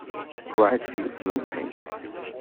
Pride feels no pain.